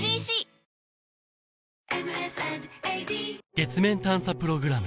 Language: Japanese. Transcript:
月面探査プログラム